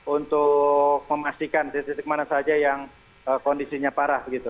untuk memastikan di titik mana saja yang kondisinya parah